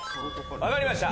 分かりました。